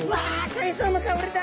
海藻の香りだ！